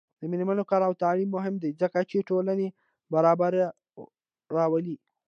د میرمنو کار او تعلیم مهم دی ځکه چې ټولنې برابري راولي.